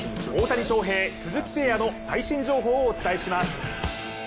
大谷翔平、鈴木誠也の最新情報をお伝えします。